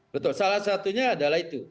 betul salah satunya adalah itu